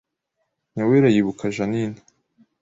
Nyawera yibuka Jeaninne